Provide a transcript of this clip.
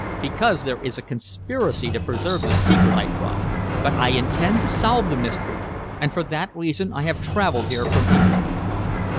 "Because there is a conspiracy to preserve the secret!" I cried. "But I intend to solve the mystery, and for that reason I have traveled here from England."